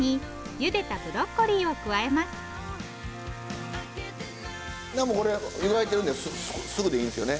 湯がいてるんですぐでいいんですよね。